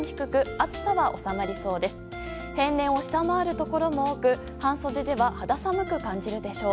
平年を下回るところも多く半袖では肌寒く感じるでしょう。